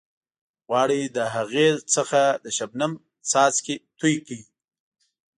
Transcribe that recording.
غواړئ د هغې څخه د شبنم څاڅکي توئ کړئ.